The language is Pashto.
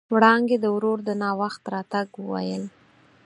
وړانګې د ورور د ناوخت راتګ وويل.